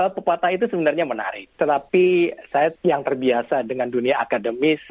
pepatah itu sebenarnya menarik tetapi saya yang terbiasa dengan dunia akademis